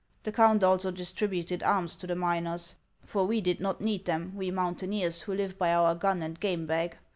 The count also distributed arms to the miners ; for we did not need them, we moun taineers, who live by our gun and game bag.